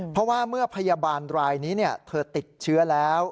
เพราะว่าเมื่อพยาบาลรายนี้เธอติดเชื้อแล้ว